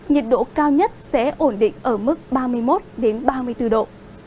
nhiệt độ cao nhất sẽ ổn định ở mức ba mươi một ba mươi bốn độ